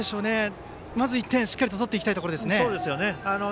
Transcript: まず１点しっかり取っていきたいところですね。